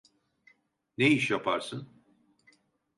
Ne iş yaparsın?